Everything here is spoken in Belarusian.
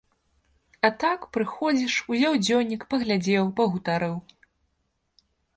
А так, прыходзіш, узяў дзённік, паглядзеў, пагутарыў.